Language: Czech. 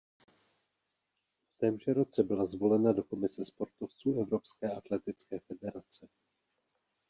V témže roce byla zvolena do komise sportovců Evropské atletické federace.